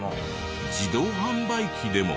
自動販売機でも。